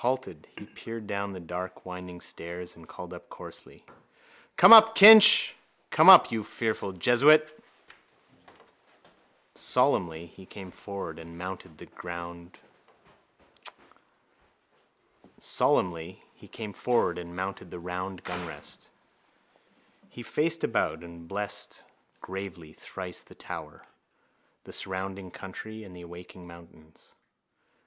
Halted, he peered down the dark winding stairs and called out coarsely: —Come up, Kinch! Come up, you fearful jesuit! Solemnly he came forward and mounted the round gunrest. He faced about and blessed gravely thrice the tower, the surrounding land and the awaking mountains.